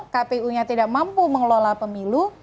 kpu nya tidak mampu mengelola pemilu